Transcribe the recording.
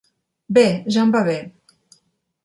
Bé, ja em va bé.